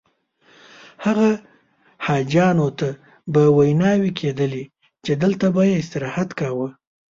هغه حاجیانو ته به ویناوې کېدلې چې دلته به یې استراحت کاوه.